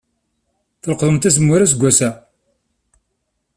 Tleqḍemt azemmur aseggas-a?